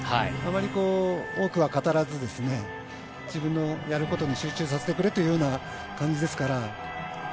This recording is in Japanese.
あまり多くは語らず自分のやることに集中させてくれというような感じですから。